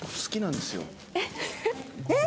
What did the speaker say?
えっ？